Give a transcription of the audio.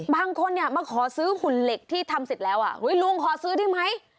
บางคนมาขอซื้อหุ่นเหล็กที่ทำสิทธิ์แล้วลุงขอซื้อได้ไหม